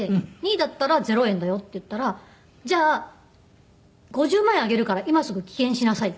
「２位だったら０円だよ」って言ったら「じゃあ５０万円あげるから今すぐ棄権しなさい」。